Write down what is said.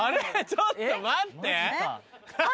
ちょっと待って何？